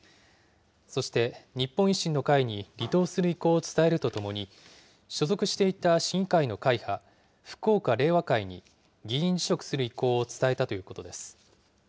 そして、日本維新の会に離党する意向を伝えるとともに、所属していた市議会の会派、福岡令和会に議員辞職する意向を伝えたということです。